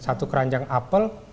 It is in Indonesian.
satu keranjang apel